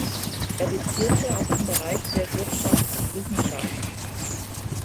Er dozierte auch im Bereich der Wirtschaftswissenschaft.